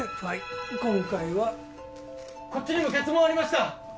今回はこっちにも血紋ありました